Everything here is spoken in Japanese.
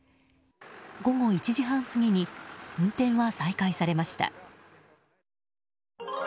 午後１時半過ぎに運転は再開されました。